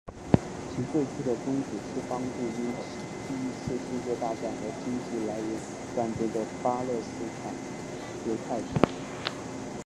其最初的宗旨是帮助因第一次世界大战而经济来源断绝的巴勒斯坦犹太人。